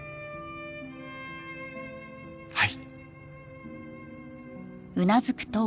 はい。